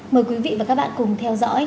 mời quý vị và các bạn cùng theo dõi